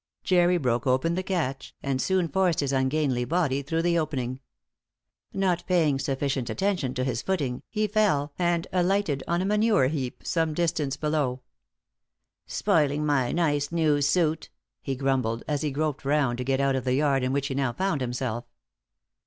Jerry broke open the catch, and soon forced his ungainly body through the opening. Not paying sufficient attention to his footing, he fell, and alighted on a manure heap some distance below. "Spoiling my nice new suit," he grumbled, as he groped round to get out of the yard in which he now found himself.